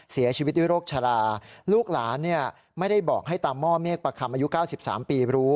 เสียชีวิตด้วยโรคชะลาลูกหลานไม่ได้บอกให้ตามห้อเมฆประคำอายุ๙๓ปีรู้